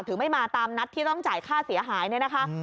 ไม่มาตามนัดที่ต้องจ่ายค่าเสียหายเนี่ยนะคะ